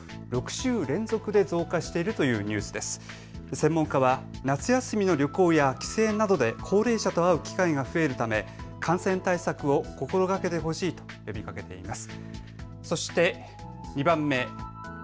専門家は夏休みの旅行や帰省などで高齢者と会う機会が増えるため感染対策を心がけてほしいと呼びかけています。